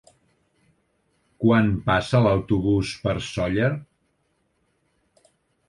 Quan passa l'autobús per Sóller?